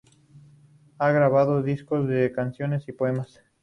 Ha grabado discos de canciones y poemas.